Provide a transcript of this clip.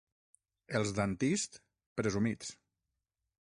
Els d'Antist, presumits.